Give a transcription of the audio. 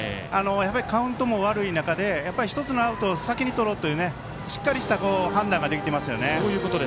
カウントも悪い中で１つのアウトを先にとろうという、しっかりした判断ができていますよね。